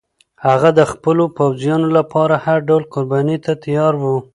هغه د خپلو پوځیانو لپاره هر ډول قربانۍ ته تیار و.